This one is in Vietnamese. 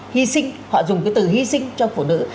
hy sinh họ dùng cái từ hy sinh cho phụ nữ